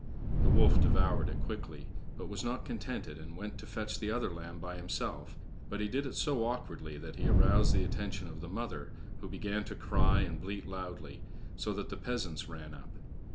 The wolf devoured it quickly, but was not contented, and went to fetch the other lamb by himself, but he did it so awkwardly that he aroused the attention of the mother, who began to cry and bleat loudly, so that the peasants ran up.